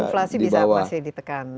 inflasi bisa apa sih ditekan